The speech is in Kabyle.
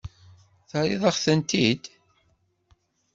Terriḍ-aɣ-tent-id?